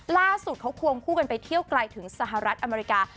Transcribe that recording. ล่าสุดเขาควงคู่กันไปเที่ยวไกลถึงสหรัฐอเมริกา